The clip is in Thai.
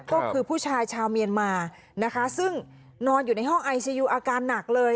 ก็คือผู้ชายชาวเมียนมานะคะซึ่งนอนอยู่ในห้องไอซียูอาการหนักเลย